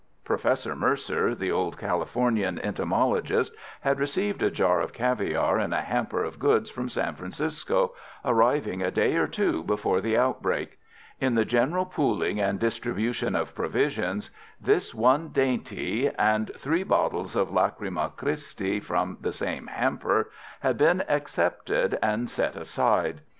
Professor Mercer, the old Californian entomologist, had received a jar of caviare in a hamper of goods from San Francisco, arriving a day or two before the outbreak. In the general pooling and distribution of provisions this one dainty and three bottles of Lachryma Christi from the same hamper had been excepted and set aside.